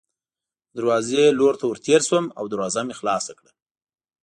د دروازې لور ته ورتېر شوم او دروازه مې خلاصه کړه.